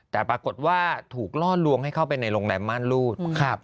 แต่ปรากฏว่าถูกล่อลวงให้เข้าไปในโรงแรมม่านรูด